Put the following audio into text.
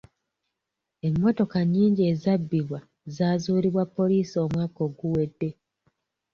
Emmotoka nnyingi ezabbibwa zaazuulibwa poliisi omwaka oguwedde.